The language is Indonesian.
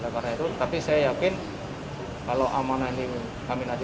tapi saya yakin kalau amanah ini kami nanti komunikasi